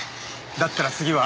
だったら次は。